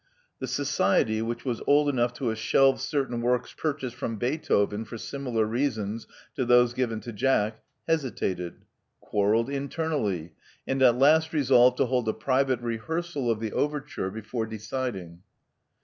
The Society, which was old enough to have shelved certain works purchased from Beethoven for similar reasons to those given to Jack, hesitated; quarrelled internally; and at last resolved to hold a private rehearsal of the overture before deciding.